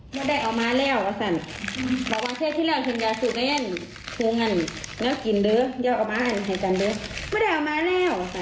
พยาบาลจับโป๊ะยาดของผู้ป่วยแต่แอบยัดไส้มาหรือว่ายาดผู้ป่วยไม่ได้จับผิดผู้ป่วยแต่แอบยัดไส้มามันคือสิ่งที่ยัดไส้มา